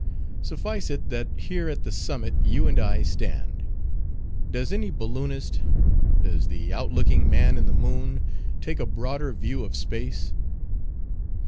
Suffice it, that here at the summit you and I stand. Does any balloonist, does the outlooking man in the moon, take a broader view of space?